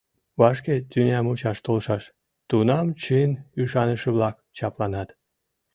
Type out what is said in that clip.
Вашке тӱня мучаш толшаш, тунам чын ӱшаныше-влак чапланат.